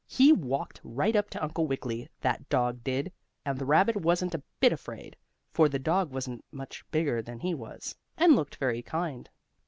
He walked right up to Uncle Wiggily, that dog did, and the rabbit wasn't a bit afraid, for the dog wasn't much bigger than he was, and looked very kind.